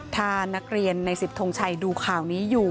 ถ้านักเรียนใน๑๐ทงชัยดูข่าวนี้อยู่